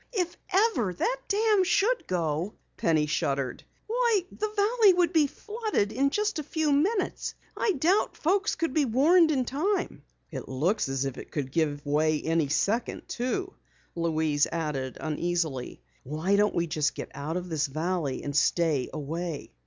"If ever that dam should let go " Penny shuddered, "why, the valley would be flooded in just a few minutes. I doubt folks could be warned in time." "It looks as if it could give way any second too," Louise added uneasily. "Why don't we get out of this valley and stay away?"